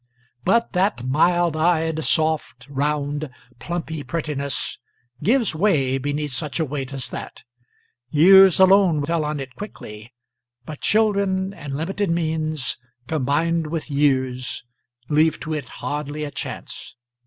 But that mild eyed, soft, round, plumpy prettiness gives way beneath such a weight as that: years alone tell on it quickly; but children and limited means combined with years leave to it hardly a chance.